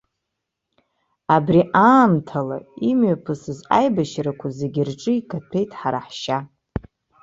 Абри аамҭала имҩаԥысыз аибашьрақәа зегьы рҿы икаҭәеит ҳара ҳшьа.